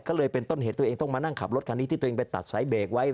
ก็เลยเป็นต้นเหตุตัวเองต้องมานั่งขับรถคันนี้ที่ตัวเองไปตัดสายเบรกไว้